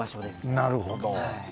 なるほど！